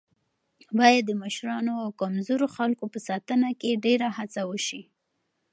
باید د مشرانو او کمزورو خلکو په ساتنه کې ډېره هڅه وشي.